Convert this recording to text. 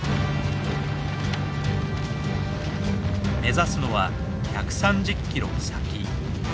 目指すのは１３０キロ先。